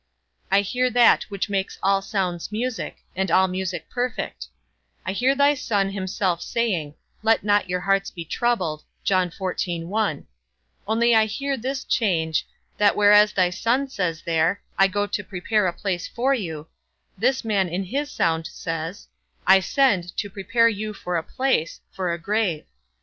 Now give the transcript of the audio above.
I hear that which makes all sounds music, and all music perfect; I hear thy Son himself saying, Let not your hearts be troubled; only I hear this change, that whereas thy Son says there, I go to prepare a place for you, this man in this sound says, I send to prepare you for a place, for a grave.